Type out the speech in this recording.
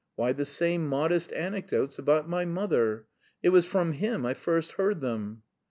Why, the same modest anecdotes about my mother! It was from him I first heard them."